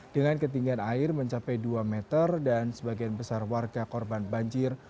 dengan ketinggian air mencapai dua meter dan sebagian besar warga korban banjir